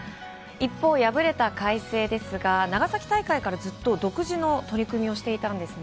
一方、敗れた海星ですが、長崎大会からずっと独自の取り組みをしていたんです。